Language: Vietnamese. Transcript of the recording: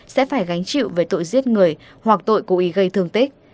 sẽ phải gánh chịu về tội giết người hoặc tội cố ý gây thương tích